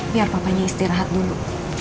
biar papanya istirahat dulu